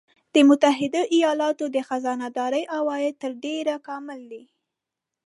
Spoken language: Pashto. د متحده ایالاتو د خزانه داری عواید تر ډېره کامل دي